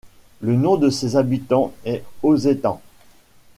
Le nom de ses habitants est Auzétans.